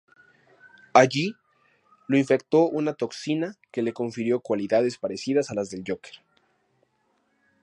Allí lo infectó una toxina que le confirió cualidades parecidas a las del Joker.